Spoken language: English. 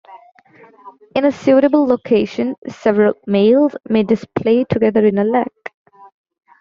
In a suitable location several males may display together in a lek.